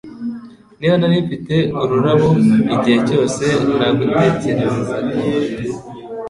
Niba narimfite ururabo igihe cyose nagutekerezaga…